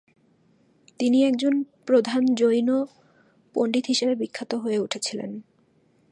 তিনি একজন প্রধান জৈন পণ্ডিত হিসাবে বিখ্যাত হয়ে উঠেছিলেন।